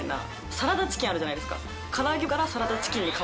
サラダチキンあるじゃないですか。